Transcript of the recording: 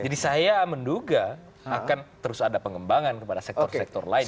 jadi saya menduga akan terus ada pengembangan kepada sektor sektor lain